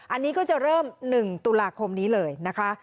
อันนี้ก็จะเริ่ม๑ตุลาคมนี้เลยนะคะ